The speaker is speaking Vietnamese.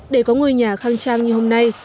để có ngôi nhà khang trang như hôm nay